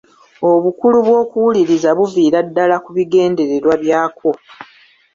Obukulu bw'okuwuliriza buviira ddala ku bigendererwa byakwo .